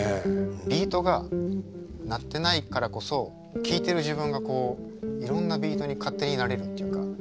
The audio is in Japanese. ビートが鳴ってないからこそ聴いてる自分がこういろんなビートに勝手になれるっていうか。